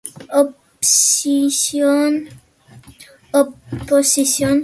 Oposición" durante este período.